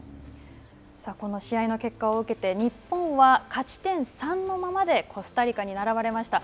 この試合の結果を受けて日本は、勝ち点３のままでコスタリカに並ばれました。